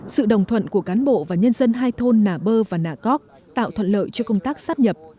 sự đồng thuận của cán bộ và nhân dân hai thôn nà bơ và nà cóc tạo thuận lợi cho công tác sắp nhập